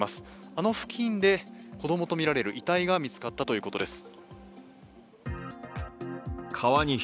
あの付近で子供とみられる遺体が見つかったということです。